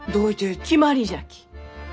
決まりじゃき。